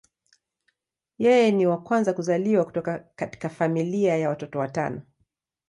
Yeye ni wa kwanza kuzaliwa kutoka katika familia ya watoto watano.